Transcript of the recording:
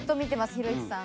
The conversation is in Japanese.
ひろゆきさん。